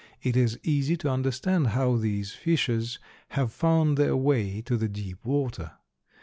It is easy to understand how these fishes have found their way to the deep water.